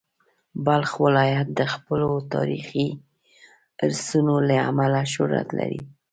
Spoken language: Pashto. بلخ ولایت د خپلو تاریخي ارثونو له امله شهرت لري.